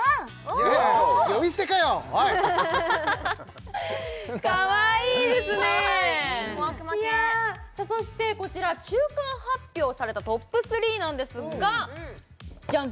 いやいや呼び捨てかよおいかわいいですねかわいいいやさあそしてこちら中間発表されたトップ３なんですがジャン！